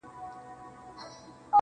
خو کيسه نه ختمېږي هېڅکله,